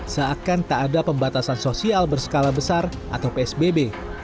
seakan tak ada pembatasan sosial berskala besar atau psbb